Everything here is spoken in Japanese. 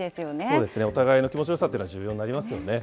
そうですね、お互いの気持ちよさというのは重要になりますよね。